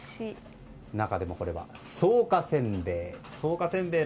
中でもこれは、草加せんべい。